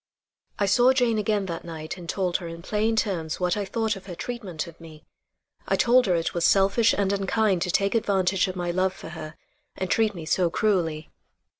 I saw Jane again that night and told her in plain terms what I thought of her treatment of me. I told her it was selfish and unkind to take advantage of my love for her and treat me so cruelly.